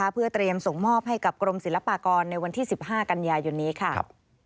เพื่อเตรียมส่งมอบให้กับกรมศิลปากรในวันที่๑๕กันยายนนี้ค่ะ